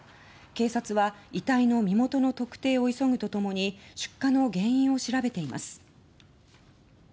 警察は遺体の身元の特定を急ぐとともに出火の原因を調べています。